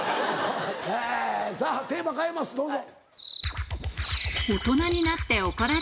えさぁテーマ変えますどうぞ。